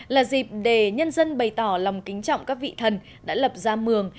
là dịp để nhân dân bày tỏ lòng kính trọng các vị thần đã lập ra mường